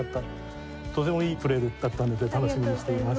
とてもいいプレーだったので楽しみにしています。